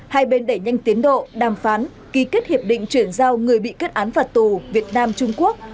hai bên đẩy nhanh tiến độ đàm phán ký kết hiệp định chuyển giao người bị kết án phạt tù việt nam trung quốc